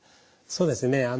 そうですね。